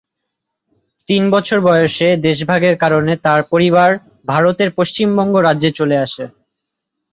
তিন বছর বয়েসে দেশভাগের কারণে তাঁর পরিবার ভারতের পশ্চিমবঙ্গ রাজ্যে চলে আসে।